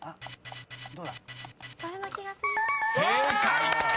［正解！］